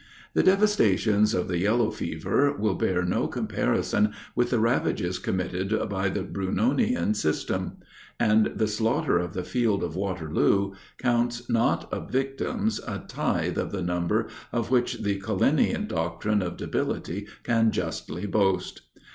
The devastations of the yellow fever will bear no comparison with the ravages committed by the Brunonian system; and the slaughter of the field of Waterloo counts not of victims, a tithe of the number of which the Cullenian doctrine of debility can justly boast.